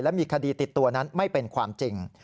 มีคดีติดตัวนั้นไม่เป็นความจริง